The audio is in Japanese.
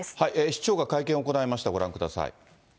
市長が会見を行いました、ご覧ください。